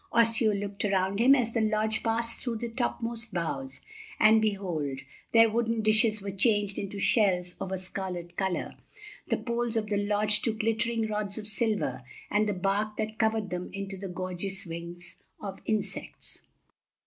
Osseo looked around him as the lodge passed through the topmost boughs, and behold, their wooden dishes were changed into shells of a scarlet color, the poles of the lodge to glittering rods of silver, and the bark that covered them into the gorgeous wings of insects.